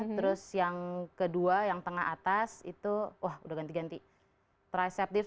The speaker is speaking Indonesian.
terus yang kedua yang tengah atas itu wah udah ganti ganti triceptive